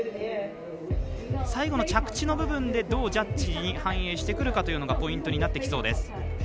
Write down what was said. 最後の着地の部分でどうジャッジに反映するかというのがポイントになってきそうです。